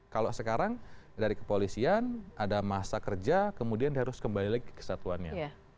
kalau sekarang dari kepolisian ada masa kerja kemudian harus kembali lagi kesatuannya